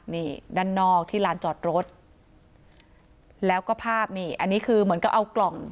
นี่ด้านนอกที่ลานจอดรถแล้วก็ภาพนี่อันนี้คือเหมือนกับเอากล่อง